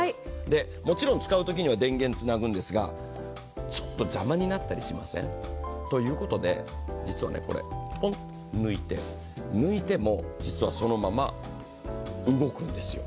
もちろん使うときには電源つなぐんですが、ちょっと邪魔になったりしません？ということで、実はこれ、ポンと抜いても、実はそのまま動くんですよ。